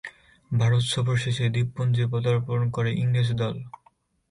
ভারত সফর শেষে এ দ্বীপপুঞ্জে পদার্পণ করে ইংরেজ দল।